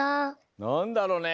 なんだろうね？